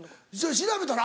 調べたら？